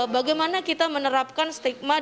bagaimana kita menerapkan stigma